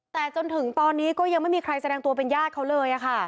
แต่จนถึงตอนนี้ก็ยังไม่มีใครแสดงตัวเป็นญาติเขาเลยค่ะ